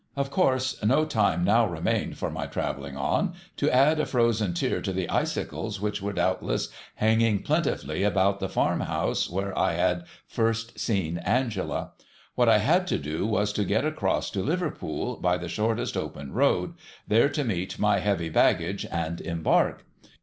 Of course, no time now remained for my travelling on to add a frozen tear to the icicles which were doubtless hanging plentifully about the farmhouse where I had first seen Angela. What I had to do was to get across to Liverpool by the shortest open road, there to meet my heavy baggage and embark.